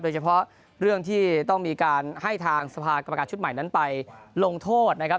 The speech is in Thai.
โดยเฉพาะเรื่องที่ต้องมีการให้ทางสภากรรมการชุดใหม่นั้นไปลงโทษนะครับ